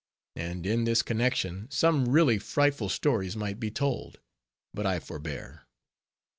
And in this connection, some really frightful stories might be told; but I forbear.